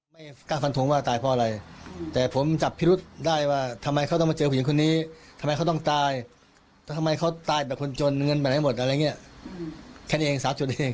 ไม่เคยคิดว่ามันมีพิรุธนะครับผมก็ไม่ค่าฝันทรงว่าเขาฆ่าเมียผม